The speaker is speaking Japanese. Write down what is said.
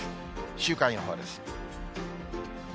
週間予報です。